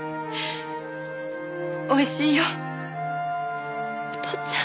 おいしいよお父ちゃん。